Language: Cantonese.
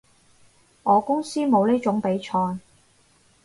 我公司冇呢種比賽